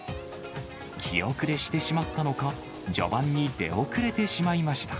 気後れしてしまったのか、序盤に出遅れてしまいました。